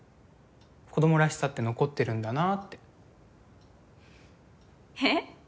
子供らしさって残ってるんだなってえっ？